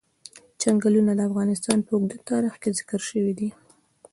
چنګلونه د افغانستان په اوږده تاریخ کې ذکر شوی دی.